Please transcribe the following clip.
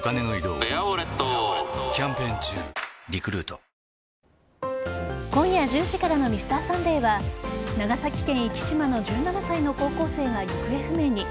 ぷはーっ今夜１０時からの「Ｍｒ．サンデー」は長崎県壱岐島の１７歳の高校生が行方不明に。